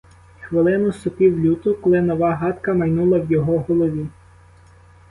Хвилину сопів люто, коли нова гадка майнула в його голові.